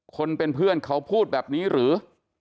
คนเป็นเพื่อนเขาพูดแบบนี้หรือ